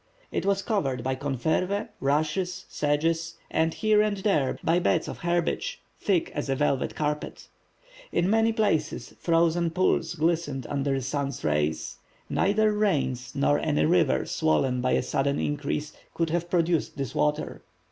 It was covered by confervæ, rushes, sedges, and here and there by beds of herbage, thick as a velvet carpet. In many places frozen pools glistened under the sun's rays. Neither rains, nor any river swollen by a sudden increase could have produced this water.